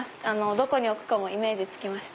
どこに置くかもイメージつきました。